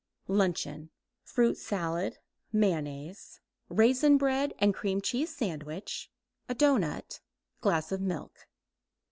LUNCHEON Fruit salad, mayonnaise; raisin bread and cream cheese sandwich; doughnut; glass of milk.